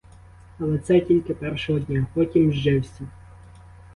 Але це тільки першого дня, потім зжився.